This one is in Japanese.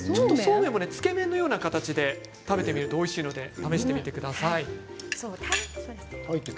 つけ麺のような形で食べてみるとおいしいので試してみてください。